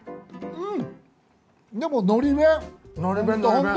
うん。